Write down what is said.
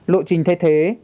lộ trình thay thế